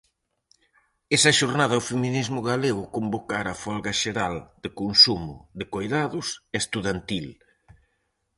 Esa xornada o feminismo galego convocara folga laboral, de consumo, de coidados e estudantil.